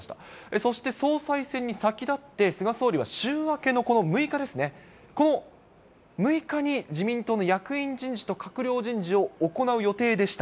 そして総裁選に先立って、菅総理は週明けの、この６日ですね、この６日に自民党の役員人事と閣僚人事を行う予定でした。